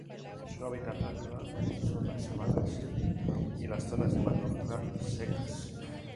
Su hábitat natural son las sabanas y las zonas de matorral secas.